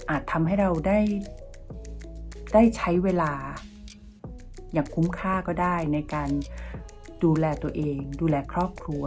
ทำให้เราได้ใช้เวลาอย่างคุ้มค่าก็ได้ในการดูแลตัวเองดูแลครอบครัว